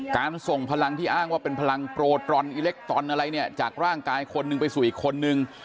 การส่งพลังที่อ้างว่าเป็นพลังโปรตรอนอิเล็กตรอลอะไรจากร่างกายคนไปสู่อีกคนหนึ่ง